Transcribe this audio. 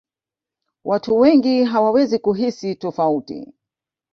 watu wengi hawawezi kuhisi tofauti